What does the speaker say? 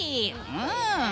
うん！